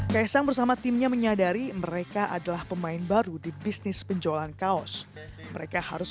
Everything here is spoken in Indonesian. kaisang bersama timnya menyadari mereka adalah pemain baru di bisnis penjualan kaos mereka harus